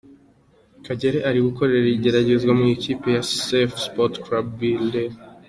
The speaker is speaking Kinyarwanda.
Kagere ari gukorera igeragezwa mu ikipe ya Safa Sport Club Beirut.